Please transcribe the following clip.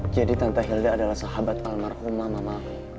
jadi tante hilda adalah sahabat almarhumah mama